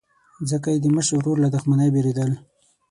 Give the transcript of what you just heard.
ځکه یې د مشر ورور له دښمنۍ بېرېدل.